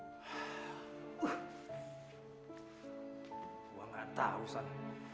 gue gak tahu san